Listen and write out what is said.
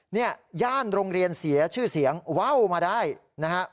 เนี่ยย่านโรงเรียนเสียชื่อเสียงว่าวมาได้นะฮะ